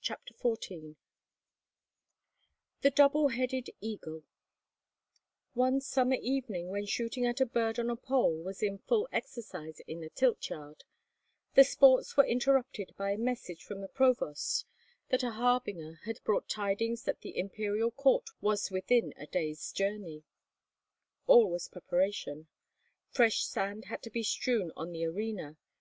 CHAPTER XIV THE DOUBLE HEADED EAGLE ONE summer evening, when shooting at a bird on a pole was in full exercise in the tilt yard, the sports were interrupted by a message from the Provost that a harbinger had brought tidings that the Imperial court was within a day's journey. All was preparation. Fresh sand had to be strewn on the arena.